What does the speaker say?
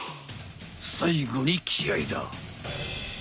最後に気合いだ！